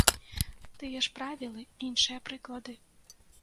Тыя ж правілы, іншыя прыклады.